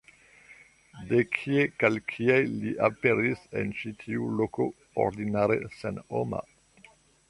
De kie kaj kiel li aperis en ĉi tiu loko, ordinare senhoma?